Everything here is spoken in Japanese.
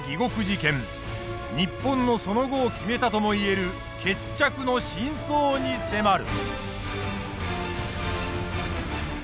日本のその後を決めたとも言える決着の真相に迫る。